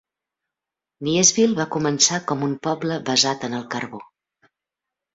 Nyesville va començar com un poble basat en el carbó.